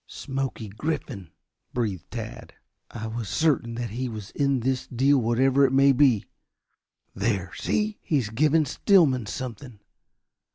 "Smoky Griffin," breathed Tad. "I was certain that he was in this deal, whatever it may be. There! See! He is giving Stillman something.